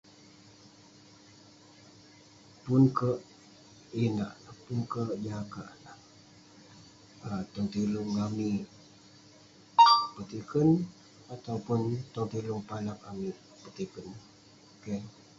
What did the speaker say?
Pun kek [unintelligible] inak pun kek [unintelligible] Japan dak um tong tilung amik petiken ataupun tong tilung panak amik petiken keh